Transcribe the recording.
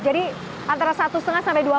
jadi antara satu lima sampai dua menit